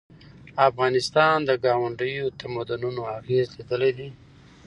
افغانستان د ګاونډیو تمدنونو اغېز لیدلی دی.